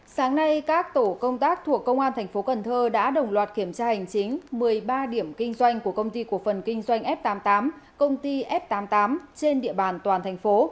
sáng nay các tổ công tác thuộc công an tp cnh đã đồng loạt kiểm tra hành chính một mươi ba điểm kinh doanh của công ty của phần kinh doanh f tám mươi tám công ty f tám mươi tám trên địa bàn toàn thành phố